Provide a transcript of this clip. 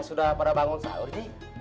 sudah pada bangun saur ji